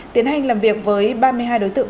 tiến hành làm việc với ba mươi hai đối tượng